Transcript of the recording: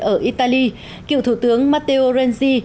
ở italy cựu thủ tướng matteo renzi